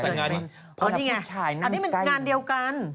แต่งานนี้ไงอันนี้มันงานเดียวกัน